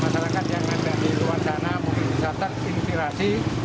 sederhana tapi bisa bermanfaat untuk masyarakat